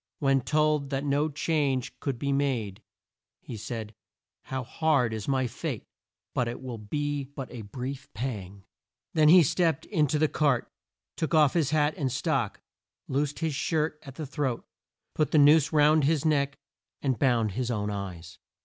When told that no change could be made, he said "How hard is my fate! But it will be but a brief pang!" [Illustration: WINTER AT VALLEY FORGE P. 94.] Then he stepped in to the cart, took off his hat and stock, loosed his shirt at the throat, put the noose round his neck and bound his own eyes.